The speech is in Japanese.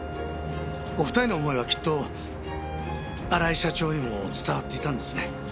お二人の思いはきっと荒井社長にも伝わっていたんですね。